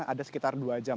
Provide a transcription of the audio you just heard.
ada sekitar dua jam